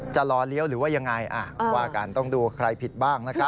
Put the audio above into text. จะรอเลี้ยวหรือว่ายังไงว่ากันต้องดูใครผิดบ้างนะครับ